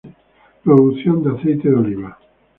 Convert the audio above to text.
Producción de aceite de oliva.